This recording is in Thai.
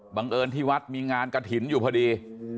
บังเอิญที่วัดมีงานกฐินอยู่พอดี